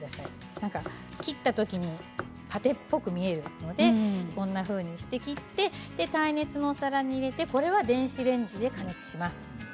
なんか切ったときにパテっぽく見えるのでこんなふうに切って耐熱のお皿に入れて電子レンジで加熱します。